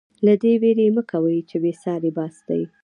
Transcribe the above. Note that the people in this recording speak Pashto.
له دې وېرې مه کوئ چې بې ساري یاستئ.